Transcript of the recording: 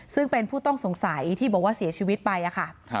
ซึ่งเป็นผู้ต้องสงสัยที่บอกว่าเสียชีวิตไปค่ะ